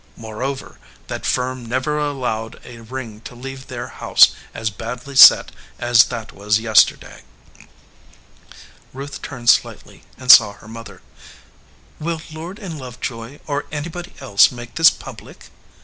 Moreover, that firm never allowed a ring to leave their house as badly set as that was yesterday." Ruth turned slightly and saw her mother. "Will Lord & Lovejoy or anybody else make this public?"